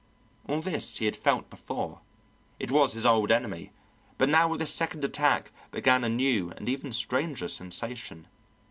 All this he had felt before; it was his old enemy, but now with this second attack began a new and even stranger sensation.